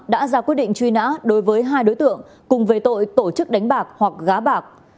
đã ra quyết định truy nã đối với hai đối tượng cùng về tội tổ chức đánh bạc hoặc gá bạc